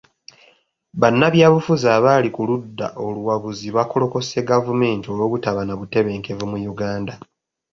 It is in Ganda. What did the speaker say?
Bannabyabufuzi abali ku ludda oluwabuzi bakolokose gavumenti olw'obutaba na butebenkevu mu Uganda.